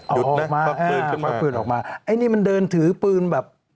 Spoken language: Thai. เอาออกมาพับปืนขึ้นมาอันนี้มันเดินถือปืนแบบ